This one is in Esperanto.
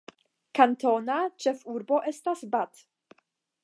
Kantona ĉefurbo estas Bath.